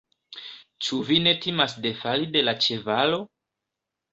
Ĉu vi ne timas defali de la ĉevalo?